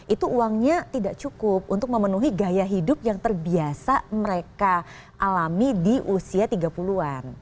itu uangnya tidak cukup untuk memenuhi gaya hidup yang terbiasa mereka alami di usia tiga puluh an